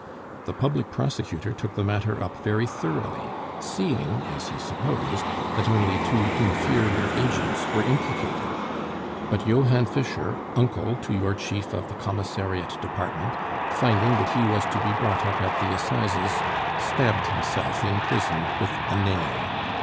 The Public Prosecutor took the matter up very thoroughly, seeing, as he supposed, that only two inferior agents were implicated; but Johann Fischer, uncle to your Chief of the Commissariat Department, finding that he was to be brought up at the Assizes, stabbed himself in prison with a nail.